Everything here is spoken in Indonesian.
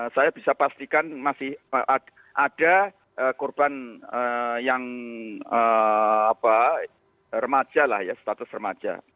saya bisa pastikan masih ada korban yang remaja lah ya status remaja